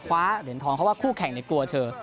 ฟ้าเหล่นทองเขาว่าคู่แข่งในกลัวเชิง